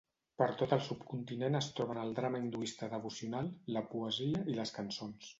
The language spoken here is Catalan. Per tot el subcontinent es troben el drama hinduista devocional, la poesia i les cançons.